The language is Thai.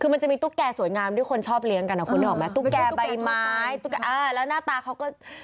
มันจะมีตุ๊กแก่สวยงามที่คนชอบเลี้ยงกันตุ๊กแก่ใบไม้แล้วหน้าตาเขาก็